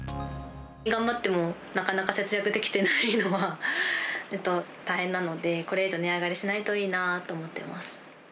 頑張っても、なかなか節約できてないのは大変なので、これ以上値上がりしないといいなと思っています。